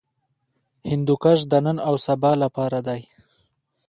هندوکش د نن او سبا لپاره دی.